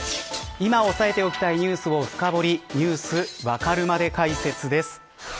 今、押さえてきたいニュースを深掘りＮｅｗｓわかるまで解説です。